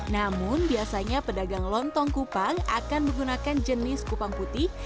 namun biasanya pedagang lontong kupang akan menggunakan jenis kupang putih